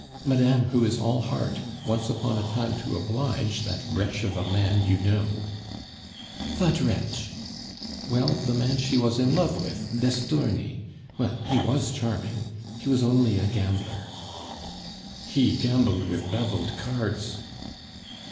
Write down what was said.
Madame, who is all heart, once upon a time to oblige that wretch of a man you know " "Vat wretch?" "Well, the man she was in love with, d'Estourny well, he was charming! He was only a gambler " "He gambled with beveled cards!"